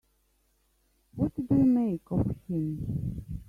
What do you make of him?